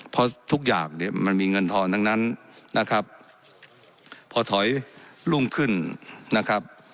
เพราะทุกอย่างเนี่ยมันมีเงินทอนทั้งนั้นนะครับพอถอยรุ่งขึ้นนะครับ